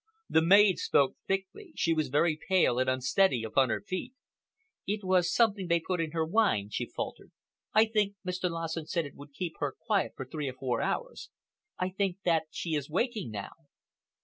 The maid spoke thickly. She was very pale, and unsteady upon her feet. "It was something they put in her wine," she faltered. "I heard Mr. Lassen say that it would keep her quiet for three or four hours. I think—I think that she is waking now."